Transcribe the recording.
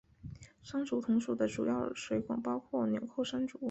山竹同属的主要水果包括钮扣山竹。